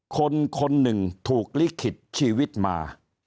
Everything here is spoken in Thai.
คนคนหนึ่งถูกลิขิตชีวิตมา